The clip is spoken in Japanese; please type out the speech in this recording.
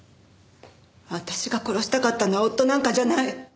私が殺したかったのは夫なんかじゃない。